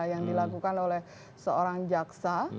yang dilakukan oleh seorang jaksa